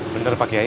bener pak kiai